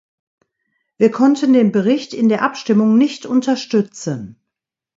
Wir konnten den Bericht in der Abstimmung nicht unterstützen.